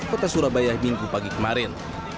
kota surabaya minggu pagi kemarin